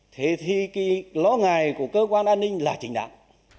thế thì cái lõ ngài của cơ quan an ninh là chính đảng